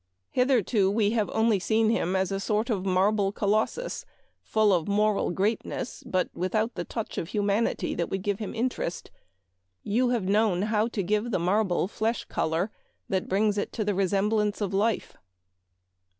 Hitherto we have only seen him as a sort of marble Colossus, full of moral great ness, but without the touch of humanity that would give him interest. You have known how to give the marble flesh color, that brings it to the resemblance of life."